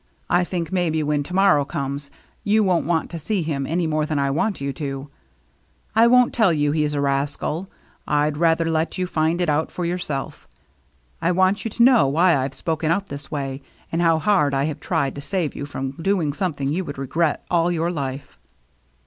I think, maybe, when to morrow comes, you won't want to see him any more than I want you to. I won't tell you he's a rascal; I'd rather let you find it out for yourself. I want you to know why I've spoken out this way, and how hard I have tried to save you from doing something you would regret all your life."